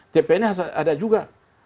tpn ada juga